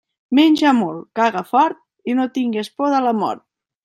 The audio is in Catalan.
Menja molt, caga fort i no tingues por de la mort.